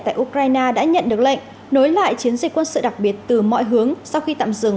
tại ukraine đã nhận được lệnh nối lại chiến dịch quân sự đặc biệt từ mọi hướng sau khi tạm dừng